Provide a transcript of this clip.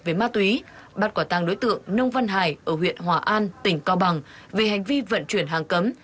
về ma túy bắt quả tăng đối tượng nông văn hải ở huyện hòa an tỉnh cao bằng về hành vi vận chuyển hàng cấm